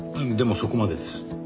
でもそこまでです。